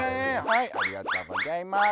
ありがとうございます。